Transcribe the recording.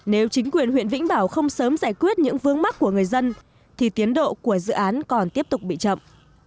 nếu chính quyền huyện vĩnh bảo không sớm giải quyết những vướng mắt của người dân thì tiến độ của dự án còn tiếp tục bị chậm